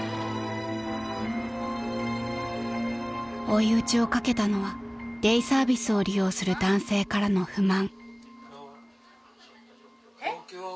［追い打ちをかけたのはデイサービスを利用する男性からの不満］